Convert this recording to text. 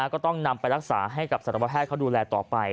ก็ต้องนำไปรักษาให้กับสัตวแพทย์เขาดูแลต่อไป